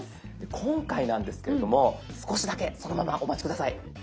今回なんですけれども少しだけそのままお待ち下さい。